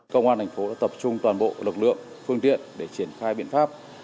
công an thành phố đã tập trung toàn bộ lực lượng phương tiện để triển khai biện pháp